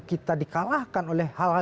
kita dikalahkan oleh hal hal